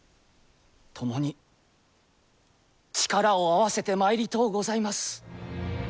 ともに力を合わせてまいりとうございます。